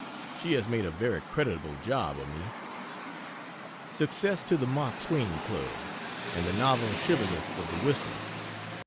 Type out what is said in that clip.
She has made a very creditable job of me. Success to the Mark Twain Club! and the novel shibboleth of the Whistle.